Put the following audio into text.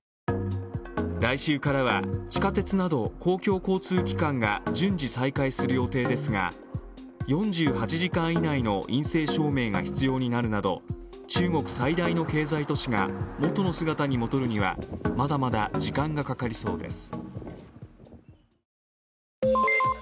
来週からは地下鉄など公共交通機関が順次、再開する予定ですが、４８時間以内の陰性証明が必要になるなど中国最大の経済都市が元の姿に戻るにはまだまだ時間がかかりそうです。